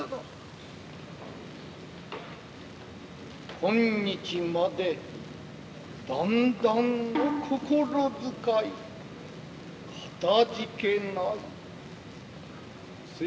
今日までだんだんの心遣いかたじけない。